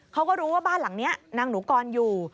เขาก็รู้ว่าบ้านหลังนี้นางหนูกรอยู่